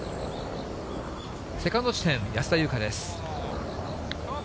セカンド地点、安田祐香です。